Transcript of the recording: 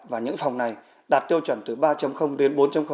và những phòng này đạt tiêu chuẩn từ ba đến bốn